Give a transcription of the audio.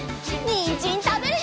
にんじんたべるよ！